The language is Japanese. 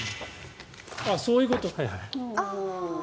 そういうこと。